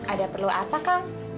ada perlu apa kan